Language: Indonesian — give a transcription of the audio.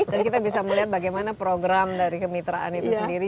dan kita bisa melihat bagaimana program dari kemitraan itu sendiri